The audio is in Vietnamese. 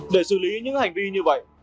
để xử lý những hành vi như vậy